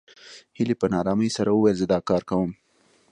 هيلې په نا آرامۍ سره وويل زه دا کار کوم